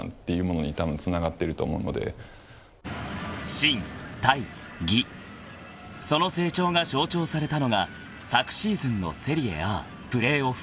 ［心・体・技その成長が象徴されたのが昨シーズンのセリエＡプレーオフ］